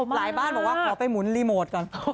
บ้านบอกว่าขอไปหมุนรีโมทก่อน